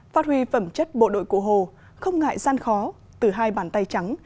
phát huy phẩm chất bộ đội cụ hồ không ngại gian khó từ hai bàn tay trắng